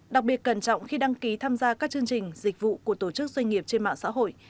đặc biệt cẩn trọng khi đăng ký tham gia các chương trình dịch vụ của tổ chức doanh nghiệp trên mạng xã hội